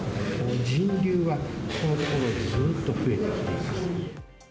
人流がこのところずっと増えてきています。